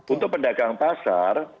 untuk pendagang pasar